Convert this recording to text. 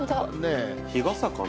日傘かな？